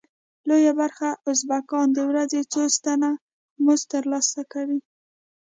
لویه برخه ازبکان د ورځې څو سنټه مزد تر لاسه کوي.